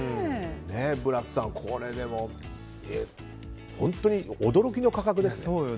ブラスさん、これ、本当に驚きの価格ですよ。